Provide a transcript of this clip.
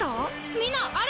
みんなあれ！